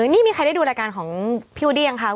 นี่มีใครได้ดูรายการของพี่วูดดี้ยังคะ